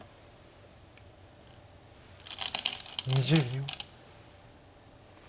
２０秒。